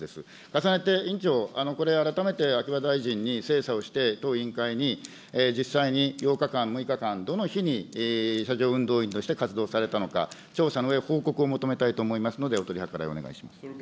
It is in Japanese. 重ねて委員長、これ、改めて秋葉大臣に精査をして、当委員会に実際に８日間、６日間、どの日に車上運動員として活動されたのか、調査のうえ、報告を求めたいと思いますので、お取り計らいお願いします。